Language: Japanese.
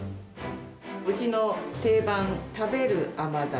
うちの定番、食べる甘酒。